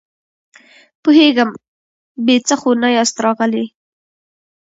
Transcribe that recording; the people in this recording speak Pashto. پوهېږم، بې څه خو نه ياست راغلي!